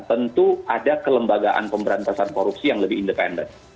tentu ada kelembagaan pemberantasan korupsi yang lebih independen